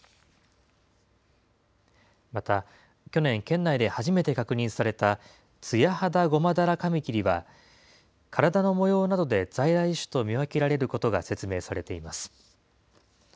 また、去年、県内で初めて確認された、ツヤハダゴマダラカミキリは、体の模様などで在来種と見分けられることが説明されています。